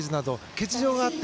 欠場があって。